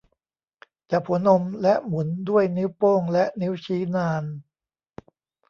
จับหัวนมและหมุนด้วยนิ้วโป้งและนิ้วชี้นาน